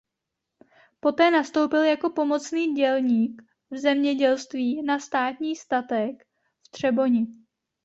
Poté nastoupil jako pomocný dělník v zemědělství na Státní statek v Třeboni.